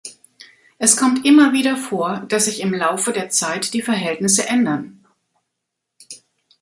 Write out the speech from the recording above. Es kommt immer wieder vor, dass sich im Laufe der Zeit die Verhältnisse ändern.